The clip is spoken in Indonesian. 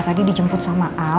jadi peng plantiteit